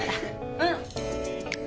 うん！